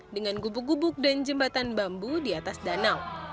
dengan gubuk gubuk dan jembatan bambu di atas danau